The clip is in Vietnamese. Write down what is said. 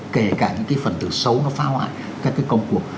kể cả những cái phần từ xấu nó phá hoại các cái công cuộc